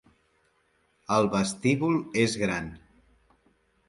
El vestíbul és gran.